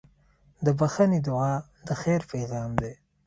د بښنې دعا د خیر پیغام دی.